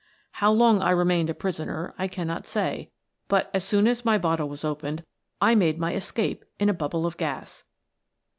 * How long I remained a pi'isoner I cannot say, but as soon as my bottle was opened I made my escape in a bubble of gas.